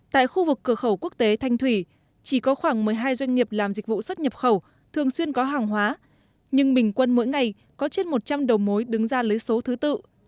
tại khu vực cửa khẩu quốc tế thanh thủy chỉ có khoảng một mươi hai doanh nghiệp làm dịch vụ xuất nhập khẩu thường xuyên có hàng hóa nhưng bình quân mỗi ngày có trên một trăm linh đầu mối đứng ra lấy số thứ tự